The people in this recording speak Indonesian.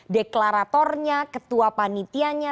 deklaratornya ketua panitianya